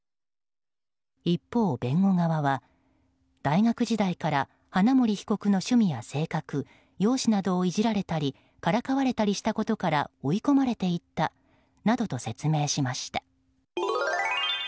一方、弁護側は、大学時代から花森被告の趣味や性格容姿などをいじられたりからかわれたりしたことから追い込まれていったなどと説明しました。